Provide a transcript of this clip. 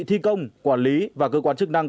thi công quản lý và cơ quan chức năng